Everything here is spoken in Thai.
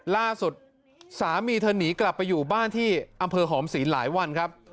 ล่าสุดสามีเธอหนีกลับไปอยู่บ้านที่อำเภอหอมศีลหลายวันครับ